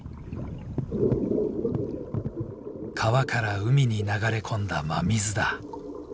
川から海に流れ込んだ真水だ。